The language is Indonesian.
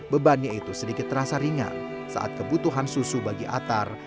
bebannya itu sedikit terasa ringan saat kebutuhan susu bagi atar